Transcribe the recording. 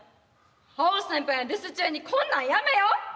アオ先輩の留守中にこんなんやめよ！